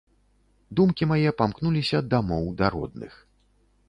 Думкі мае памкнуліся дамоў, да родных.